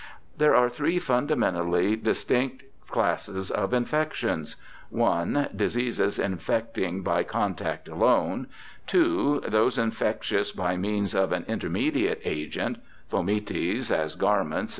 There are three fundamentally distinct classes of infections : (i) Diseases infecting by contact alone ; (2) those infectious by means of an intermediate agent — fomites, as garments, &c.